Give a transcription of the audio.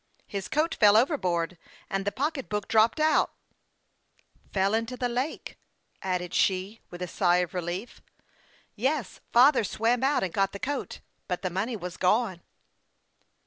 " His coat fell overboard, and the pocketbook dropped out." " Fell into the lake," added she, with a feeling of relief. 52 HASTE AND WASTE, OB " Yes ; father swam out and got the coat, but the money was gone."